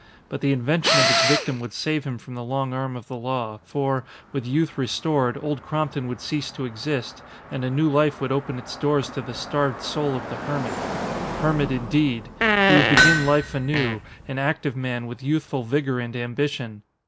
But the invention of his victim would save him from the long arm of the law, for, with youth restored, Old Crompton would cease to exist and a new life would open its doors to the starved soul of the hermit. Hermit, indeed! He would begin life anew, an active man with youthful vigor and ambition.